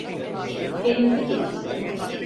Elimde değil.